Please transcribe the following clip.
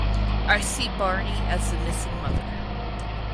I see Barney as the missing mother.